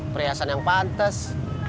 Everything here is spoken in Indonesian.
perhiasan yang pantes